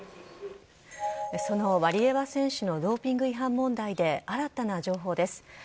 そのワリエワ選手のドーピング違反問題で、新たな情報です。